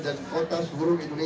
di peringkat kedua